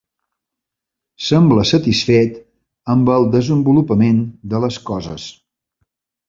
Sembla satisfet amb el desenvolupament de les coses.